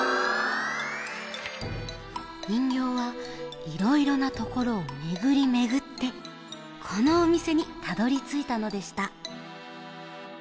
にんぎょうはいろいろなところをめぐりめぐってこのおみせにたどりついたのでした。